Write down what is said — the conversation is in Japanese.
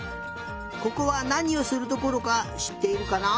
ここはなにをするところかしっているかな？